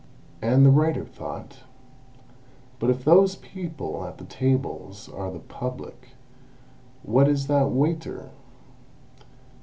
And the writer thought: "But if those people at the tables are the Public, what is that waiter?